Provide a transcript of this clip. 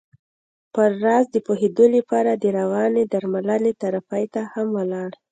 پر راز د پوهېدو لپاره د روانې درملنې تراپۍ ته هم ولاړ.